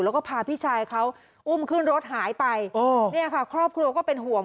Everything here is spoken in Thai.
แล้วก็พาพี่ชายเขาอุ้มขึ้นรถหายไปโอ้เนี่ยค่ะครอบครัวก็เป็นห่วง